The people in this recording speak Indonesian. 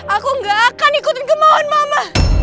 aku gak akan ikutin kemauan mama